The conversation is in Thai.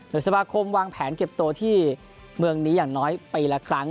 โดยสมาคมวางแผนเก็บตัวที่เมืองนี้อย่างน้อยปีละครั้ง